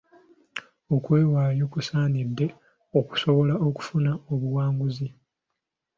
Okwewaayo kusaanidde okusobola okufuna obuwanguzi